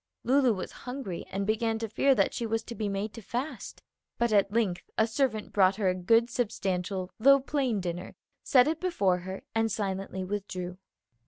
Lulu was hungry and began to fear that she was to be made to fast; but at length a servant brought her a good, substantial, though plain dinner, set it before her, and silently withdrew.